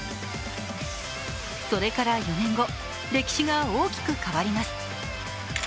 それから４年後、歴史が大きく変わります。